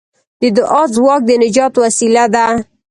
د دعا ځواک د نجات وسیله ده.